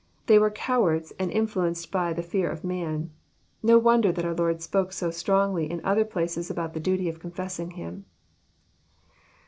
They were cowards, and influenced by the fear of man. No wonder that our Lord spoke so strongly in other places about the duty of confessing Him.